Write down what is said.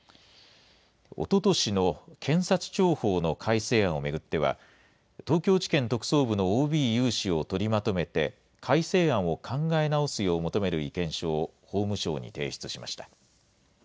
おととしの検察庁法の改正案を巡っては、東京地検特捜部のＯＢ有志を取りまとめて、改正案を考え直すよう求める意見書を、法務省に提出しました。